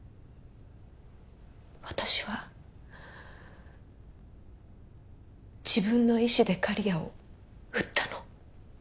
私は自分の意思で刈谷を撃ったの。